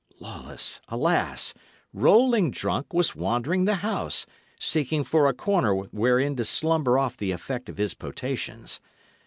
Lawless, alas! rolling drunk, was wandering the house, seeking for a corner wherein to slumber off the effect of his potations.